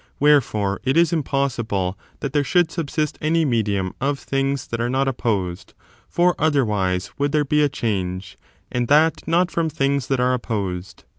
Wherefore, it is impossible that there should subsist any medium of things that are not opposed; for otherwise would there be a change, and that not from things that are opposed.